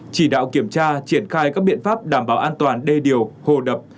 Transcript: chỉ đạo kiểm tra triển khai các biện pháp đảm bảo an toàn đê điều hồ đập